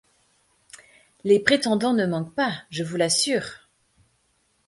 Les prétendants ne manquent pas, je vous l’assure!...